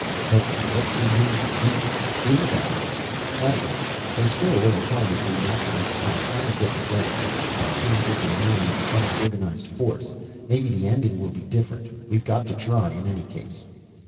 "But what can you we do about it?" "Plenty. There's still a little time. If we Naturalists can only get together, stop being just a name and become an organized force, maybe the ending will be different. We've got to try, in any case."